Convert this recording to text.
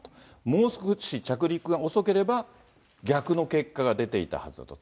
もう少し着陸が遅ければ、逆の結果が出ていたはずだと。